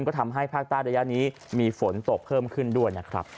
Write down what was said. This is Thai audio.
ก็ทำให้ภาคใต้ระยะนี้มีฝนตกเพิ่มขึ้นด้วยนะครับ